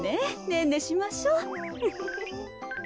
ねんねしましょうフフフ。